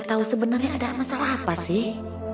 aku mau tahu sebenarnya ada masalah apa sih